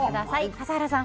笠原さん